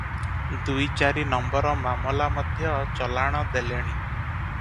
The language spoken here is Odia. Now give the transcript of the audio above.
ଦୁଇ ଚାରି ନମ୍ବର ମାମଲା ମଧ୍ୟ ଚଲାଣ ଦେଲେଣି ।